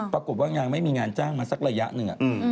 ปรากฏจ้างนางไม่มีงานมาสักระยะหนึ่งอ่ะ